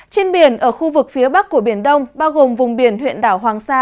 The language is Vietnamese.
trên biển ở khu vực phía bắc của biển đông bao gồm vùng biển huyện đảo hoàng sa